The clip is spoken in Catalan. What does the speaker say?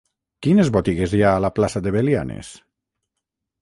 Quines botigues hi ha a la plaça de Belianes?